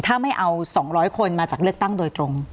ถ้าไม่เอา๒๐๐คนมาจากเลือกตั้งโดยตรง